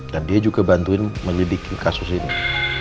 dan dia juga bantuin mendidiki kasus ini